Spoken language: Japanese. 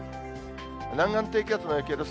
南岸低気圧の影響です。